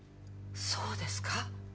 「そうですか？」